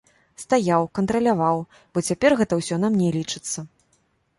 Стаяў, кантраляваў, бо цяпер гэта ўсё на мне лічыцца.